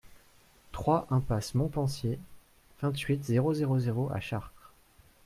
trois impasse MontPensier, vingt-huit, zéro zéro zéro à Chartres